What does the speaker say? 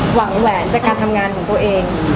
แหวนจากการทำงานของตัวเอง